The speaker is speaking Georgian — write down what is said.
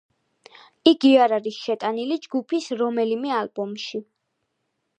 იგი არ არის შეტანილი ჯგუფის რომელიმე ალბომში.